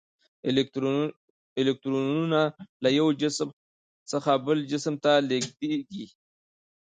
الکترونونه له یو جسم څخه بل جسم ته لیږدیږي.